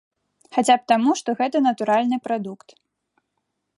Хаця б таму, што гэта натуральны прадукт.